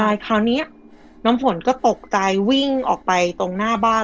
ใช่คราวนี้น้ำฝนก็ตกใจวิ่งออกไปตรงหน้าบ้าน